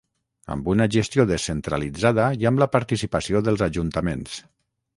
amb una gestió descentralitzada i amb la participació dels ajuntaments